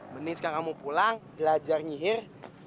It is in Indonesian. mending sekarang mau pulang belajar nyihir